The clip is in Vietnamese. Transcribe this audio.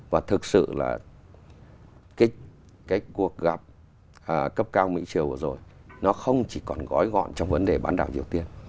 và thực sự là cái cuộc gặp cấp cao mỹ triều vừa rồi nó không chỉ còn gói gọn trong vấn đề bán đảo triều tiên